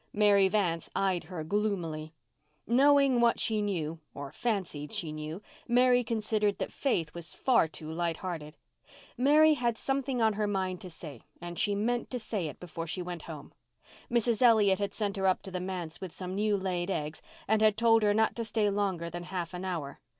Mary Vance eyed her gloomily. Knowing what she knew, or fancied she knew, Mary considered that Faith was far too light hearted. Mary had something on her mind to say and she meant to say it before she went home. Mrs. Elliott had sent her up to the manse with some new laid eggs, and had told her not to stay longer than half an hour.